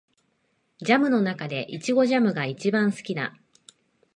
ジャムの中でイチゴジャムが一番好きだ